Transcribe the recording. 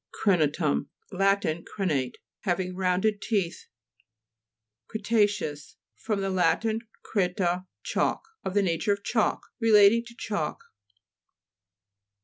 GRENA'TUM Lat. Crenate ; having rounded teeth. CRETA'CEOUS ft. lat. creta, chalk. Of the nature of chalk ; relating to chalk.